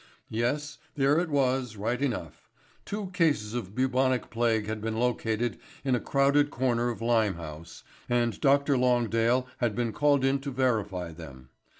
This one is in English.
Yes, there it was right enough. Two cases of bubonic plague had been located in a crowded corner of Limehouse, and Dr. Longdale had been called in to verify them.